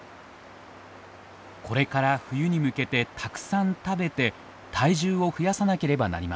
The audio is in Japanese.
これから冬に向けてたくさん食べて体重を増やさなければなりません。